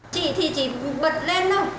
chị thì chị bật lên không